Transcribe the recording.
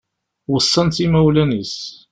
Weṣṣan-tt imawlan-is